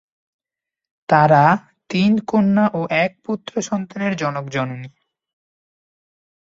তারা তিন কন্যা ও এক পুত্র সন্তানের জনক-জননী।